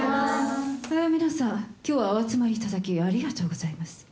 皆さん今日はお集まりいただきありがとうございます。